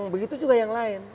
begitu juga yang lain